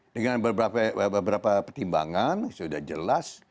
dengan beberapa pertimbangan sudah jelas